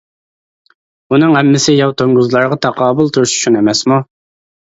بۇنىڭ ھەممىسى ياۋا توڭگۇزلارغا تاقابىل تۇرۇش ئۈچۈن ئەمەسمۇ.